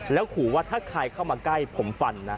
แล้วขู่ว่าถ้าใครเข้ามาใกล้ผมฟันนะ